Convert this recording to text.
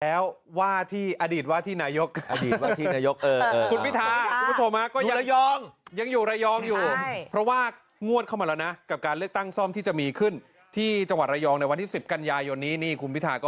แล้วว่าที่อดีตว่าที่นายก